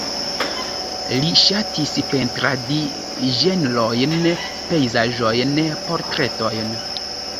Li ŝatis pentradi ĝenrojn, pejzaĝojn, portretojn.